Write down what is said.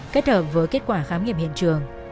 kết hợp với kết quả khám nghiệm hiện trường